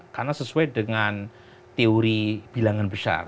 karena itu diperlukan teori bilangan besar